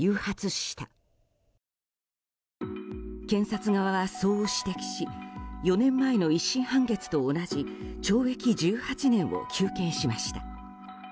検察側は、そう指摘し４年前の１審判決と同じ懲役１８年を求刑しました。